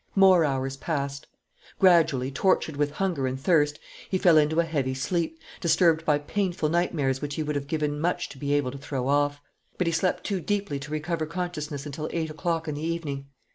More hours passed. Gradually, tortured with hunger and thirst, he fell into a heavy sleep, disturbed by painful nightmares which he would have given much to be able to throw off. But he slept too deeply to recover consciousness until eight o'clock in the evening.